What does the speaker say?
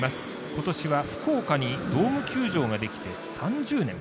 今年は福岡にドーム球場ができて３０年。